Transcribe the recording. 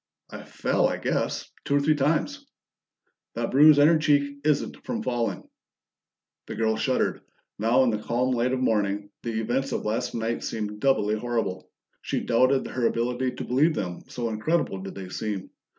"I fell, I guess. Two or three times." "That bruise on your cheek isn't from falling." The girl shuddered. Now in the calm light of morning, the events of last night seemed doubly horrible; she doubted her ability to believe them, so incredible did they seem.